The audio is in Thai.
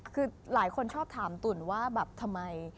คือหลายคนชอบถามตุ๋นว่าแบบทำไม